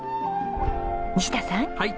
西田さん